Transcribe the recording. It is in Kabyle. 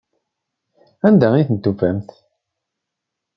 Anda i tent-tufamt?